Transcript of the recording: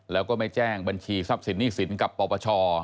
แล้วก็ไม่แจ้งบัญชีทรัพย์สินหนี้สินกับปปช